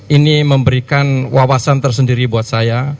ini memberikan wawasan tersendiri buat saya